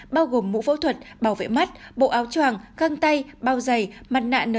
bao gồm mũ phẫu thuật bảo vệ mắt bộ áo tràng căng tay bao giày mặt nạ n chín mươi năm